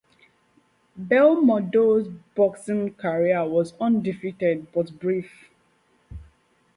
Belmondo's boxing career was undefeated, but brief.